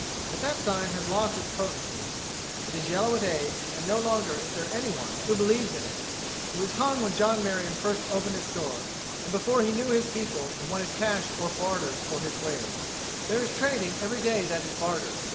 But that sign has lost its potency. It is yellow with age and no longer is there anyone who believes in it. It was hung when John Marion first opened his store, and before he knew his people and wanted cash or barter for his wares. There is trading every day that is barter.